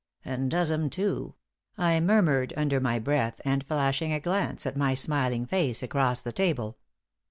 "And does 'em, too," I murmured, under my breath, and flashing a glance at my smiling face across the table.